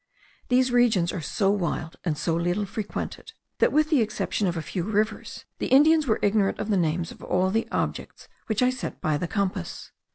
These regions are so wild, and so little frequented, that with the exception of a few rivers, the Indians were ignorant of the names of all the objects which I set by the compass.